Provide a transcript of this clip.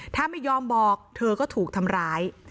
ถ้าไม่ยอมบอกเธอก็ถูกทำร้าย